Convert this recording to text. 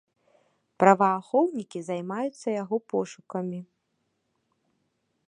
Праваахоўнікі займаюцца яго пошукамі.